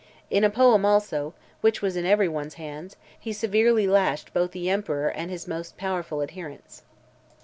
In a poem also, which was in every one's hands, he severely lashed both the emperor and his most powerful adherents.